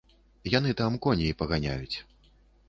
Яны там коней паганяюць.